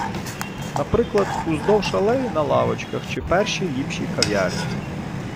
Наприклад, уздовж алеї на лавочках чи в першій - ліпшій кав’ярні.